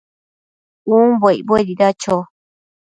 umbo icbuedida cho?